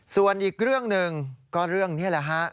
ส่วนอีกเรื่องหนึ่งก็เรื่องนี้แหละฮะ